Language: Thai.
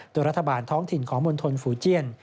โดยรัฐบาลท้องถิ่นของมณฑลฝูเจียน